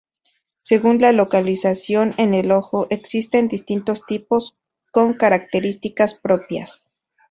Según la localización en el ojo, existen distintos tipos con características propias.